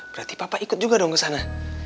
berarti papa ikut juga dong ke sana